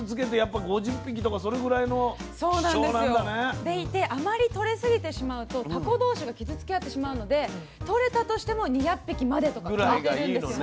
でいてあまりとれすぎてしまうとタコ同士が傷つけ合ってしまうのでとれたとしても２００匹までとか。ぐらいがいいのね。